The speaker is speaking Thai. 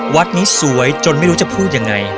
วัดนี้สวยจนไม่รู้จะพูดยังไง